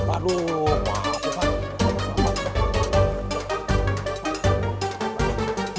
aduh wah apaan